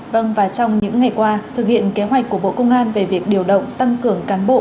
vâng và trong những ngày qua thực hiện kế hoạch của bộ công an về việc điều động tăng cường cán bộ